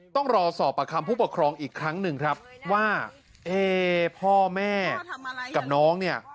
ต้องรอสอบประคัมภูมิปกครองอีกครั้งหนึ่งว่าพ่อแม่กับน้องเนี่ย